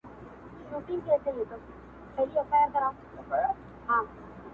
• د هغه سړي یې مخ نه وي کتلی -